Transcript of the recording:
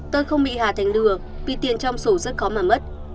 tôi không bị hà thành lừa vì tiền trong sổ rất khó mà mất